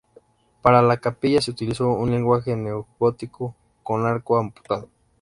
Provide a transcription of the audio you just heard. Para la capilla se utilizó un lenguaje neogótico con arco apuntado.